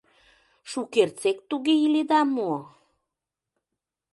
Шукертсек туге иледа мо?